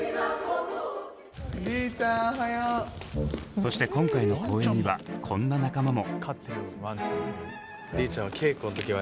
そして今回の公演にはこんな仲間も。